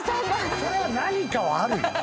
そりゃ何かはあるよ。